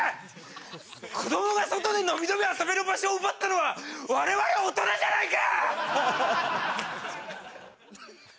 子供が外で伸び伸び遊べる場所を奪ったのは我々大人じゃないか！